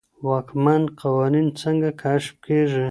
واکمن قوانين څنګه کشف کيږي؟